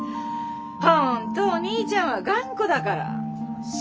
本当お兄ちゃんは頑固だから静も困るよね。